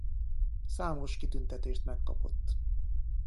Számos kitüntetést megkapott.